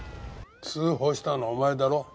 通報したのはお前だろ？